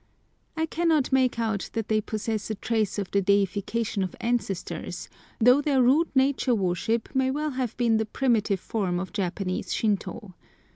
I cannot make out that they possess a trace of the deification of ancestors, though their rude nature worship may well have been the primitive form of Japanese Shintô.